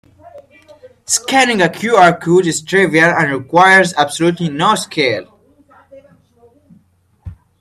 Scanning a QR code is trivial and requires absolutely no skill.